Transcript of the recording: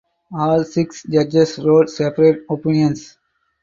All six judges wrote separate opinions.